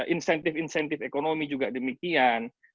insentif insentif ekonomi juga demikian